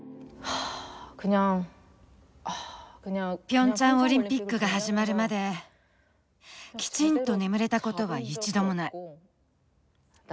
ピョンチャンオリンピックが始まるまできちんと眠れたことは一度もない。